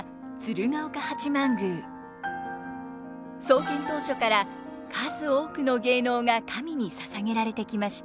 創建当初から数多くの芸能が神に捧げられてきました。